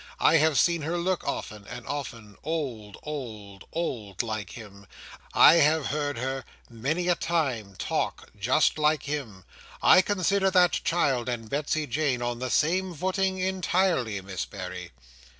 I have seen her look, often and often, old, old, old, like him. I have heard her, many a time, talk just like him. I consider that child and Betsey Jane on the same footing entirely, Miss Berry."